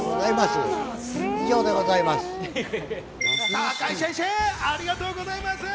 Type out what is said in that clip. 堺先生、ありがとうございます！